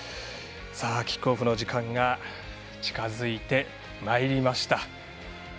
キックオフの時間が近づいてまいりました。